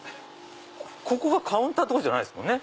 ここがカウンターってことじゃないですもんね。